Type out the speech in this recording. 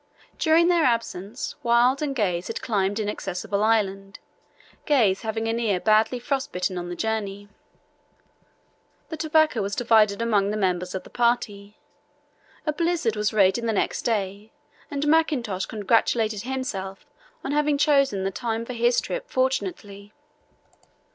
During their absence Wild and Gaze had climbed Inaccessible Island, Gaze having an ear badly frost bitten on the journey. The tobacco was divided among the members of the party. A blizzard was raging the next day, and Mackintosh congratulated himself on having chosen the time for his trip fortunately.